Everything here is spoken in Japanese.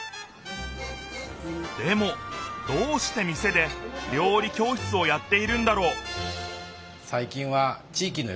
でもどうして店で料理教室をやっているんだろう？